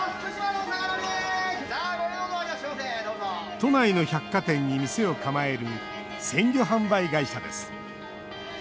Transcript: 都内の百貨店に店を構える鮮魚販売会社です。